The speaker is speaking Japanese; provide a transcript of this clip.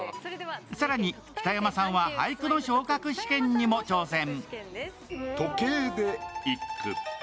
更に北山さんは俳句の昇格試験にも挑戦。